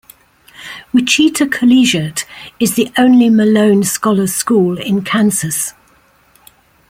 Wichita Collegiate is the only Malone Scholars School in Kansas.